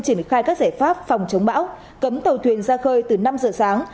triển khai các giải pháp phòng chống bão cấm tàu thuyền ra khơi từ năm giờ sáng